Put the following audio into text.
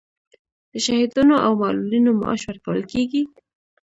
د شهیدانو او معلولینو معاش ورکول کیږي؟